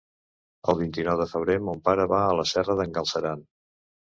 El vint-i-nou de febrer mon pare va a la Serra d'en Galceran.